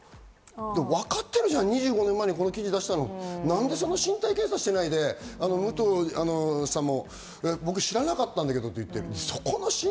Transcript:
わかってるじゃん、２５年間にこの記事を出したの、何でその身体検査をしないで、武藤さんも知らなかったんだけどと言っている。